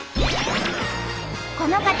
この方